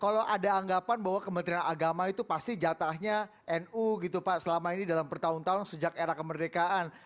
kalau ada anggapan bahwa kementerian agama itu pasti jatahnya nu gitu pak selama ini dalam bertahun tahun sejak era kemerdekaan